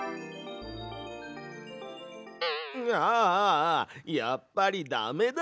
ああやっぱりダメだ！